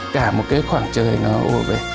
cả một cái khoảng trời nó ùa về